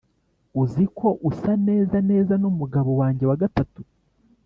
uzi ko usa neza neza n’umugabo wanjye wa gatatu »